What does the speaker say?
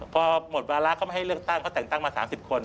พอหมดวาระเขาไม่ให้เลือกตั้งเขาแต่งตั้งมา๓๐คน